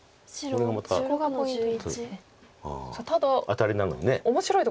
アタリなのに。